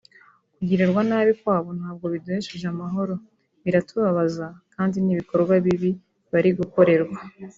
kugirirwa nabi kwabo ntabwo biduhesheje amahoro biratubabaza kandi ni ibikorwa bibi bari gukorerwa